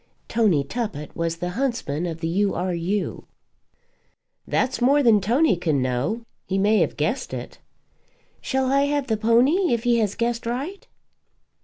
Tony Tuppett was the huntsman of the U. R. U. "That's more than Tony can know. He may have guessed it." "Shall I have the pony if he has guessed right?"